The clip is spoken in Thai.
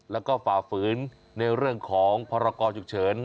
แล้วก็ฝ่าฝืนในเรื่องของพรกรฉุกเฉิน